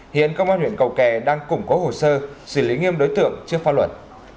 hiện công an huyện cầu kè đang củng cố hồ sơ xử lý nghiêm đối tượng trước phá luận